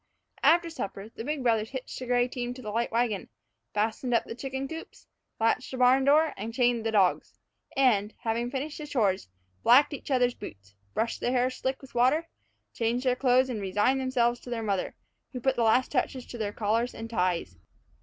After supper the big brothers hitched the gray team to the light wagon, fastened up the chicken coops, latched the barn door and chained the dogs; and, having finished the chores, blacked each other's boots, brushed their hair slick with water, changed their clothes and resigned themselves to their mother, who put the last touches to their collars and ties.